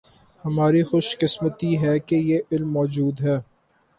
ہماری خوش قسمتی ہے کہ یہ علم موجود ہے